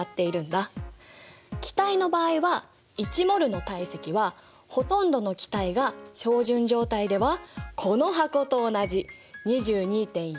気体の場合は１ｍｏｌの体積はほとんどの気体が標準状態ではこの箱と同じ２２．４Ｌになるんだよ！